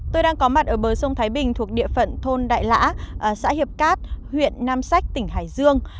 tôi đang có mặt ở bờ sông thái bình thuộc địa phận thôn đại lã xã hiệp cát huyện nam sách tỉnh hải dương